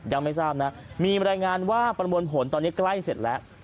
ยังไม่ทราบนะมีบรรยายงานว่าประมวลผลตอนนี้ใกล้เสร็จแล้ว